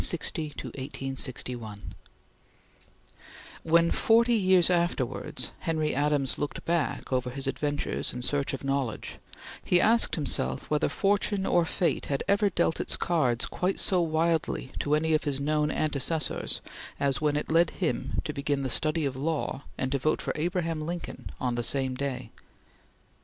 CHAPTER VII TREASON (1860 1861) WHEN, forty years afterwards, Henry Adams looked back over his adventures in search of knowledge, he asked himself whether fortune or fate had ever dealt its cards quite so wildly to any of his known antecessors as when it led him to begin the study of law and to vote for Abraham Lincoln on the same day.